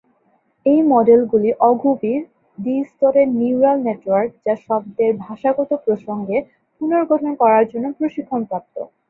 এই মডেলগুলি অগভীর, দ্বি-স্তরের neural network যা শব্দের ভাষাগত প্রসঙ্গে পুনর্গঠন করার জন্য প্রশিক্ষণপ্রাপ্ত।